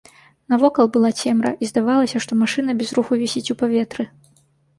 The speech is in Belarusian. Навокал была цемра, і здавалася, што машына без руху вісіць у паветры.